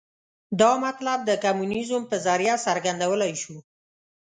دا مطلب د کمونیزم په ذریعه څرګندولای شو.